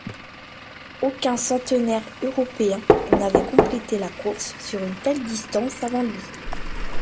Aucun centenaire européen n'avait complété la course sur une telle distance avant lui.